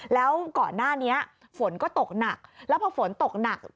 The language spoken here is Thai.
แล้วก่อนหน้านี้ฝนก็ตกหนักแล้วพอฝนตกหนัก